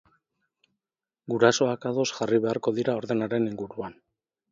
Gurasoak ados jarri beharko dira ordenaren inguruan.